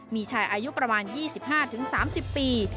มีชายอายุประมาณ๒๕๓๐ปี